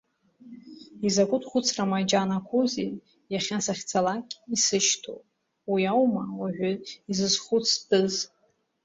Изакәытә хәыцра маџьанақәоузеи иахьа сахьцалакь исышьҭоу, уи аума уажәы изызхәыцтәыз…